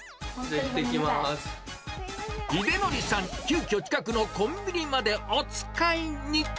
じゃ、ひでのりさん、急きょ、近くのコンビニまでおつかいに。